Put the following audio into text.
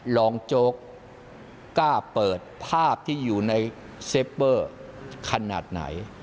โจ๊กกล้าเปิดภาพที่อยู่ในเซฟเวอร์ขนาดไหน